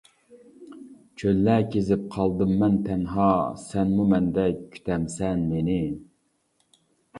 چۆللەر كېزىپ قالدىممەن تەنھا، سەنمۇ مەندەك كۈتەمسەن مېنى.